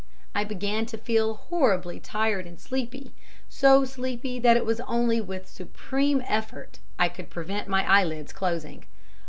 I began to feel horribly tired and sleepy so sleepy that it was only with supreme effort I could prevent my eyelids closing.